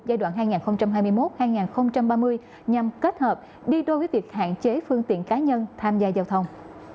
giai đoạn hai nghìn hai mươi một hai nghìn ba mươi nhằm kết hợp đi đôi với việc hạn chế phương tiện cá nhân tham gia giao thông